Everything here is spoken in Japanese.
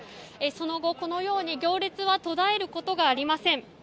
その後、このように行列は途絶えることがありません。